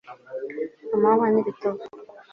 Amahwa nibitovu